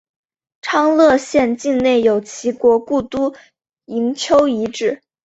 昌乐县境内有齐国故都营丘遗址。